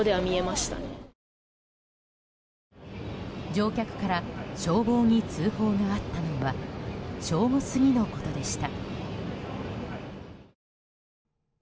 乗客から消防に通報があったのは正午過ぎのことでした。